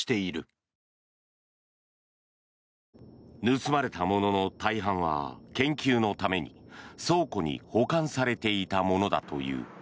盗まれたものの大半は研究のために倉庫に保管されていたものだという。